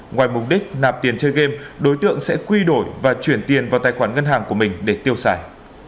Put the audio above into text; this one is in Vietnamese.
ngoài mục đích nạp tiền chơi game đối tượng sẽ quy đổi và chuyển tiền vào tài khoản ngân hàng của mình để tiêu xài